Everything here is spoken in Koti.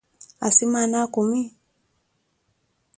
asimaana akumi?